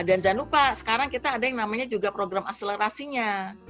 dan jangan lupa sekarang kita ada yang namanya juga program akselerasinya